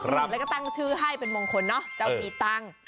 แล้วก็ตั้งชื่อให้เป็นมงคลเนาะเจ้าปีตั้ง